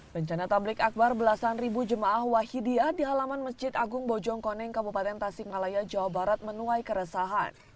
rencana tablik akbar belasan ribu jemaah wahidiyah di halaman masjid agung bojongkoneng kabupaten tasikmalaya jawa barat menuai keresahan